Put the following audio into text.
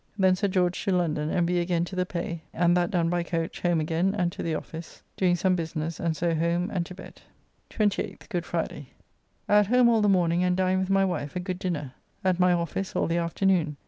Then Sir George to London, and we again to the pay, and that done by coach home again and to the office, doing some business, and so home and to bed. 28th (Good Friday). At home all the morning, and dined with my wife, a good dinner. At my office all the afternoon.